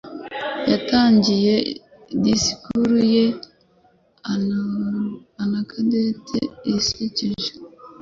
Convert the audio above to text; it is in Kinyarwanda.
Yatangiye disikuru ye anecdote isekeje.